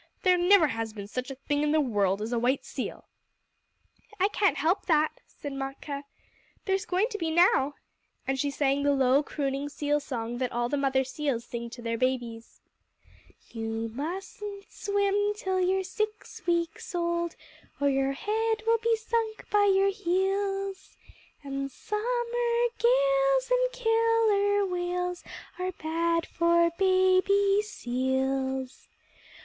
"There never has been such a thing in the world as a white seal." "I can't help that," said Matkah; "there's going to be now." And she sang the low, crooning seal song that all the mother seals sing to their babies: You mustn't swim till you're six weeks old, Or your head will be sunk by your heels; And summer gales and Killer Whales Are bad for baby seals.